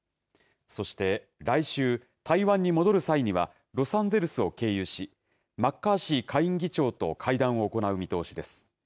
そして、来週台湾に戻る際にはロサンゼルスを経由しマッカーシー下院議長と会談を行う見通しです。